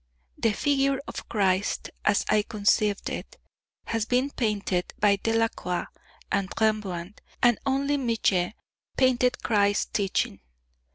The figure of Christ, as I conceive it, has been painted by Delacroix and Rembrandt, and only Millet painted Christ's teaching.